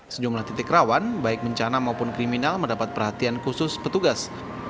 sejumlah titik rawan baik bencana maupun kriminal mendapat perhatian khusus petugas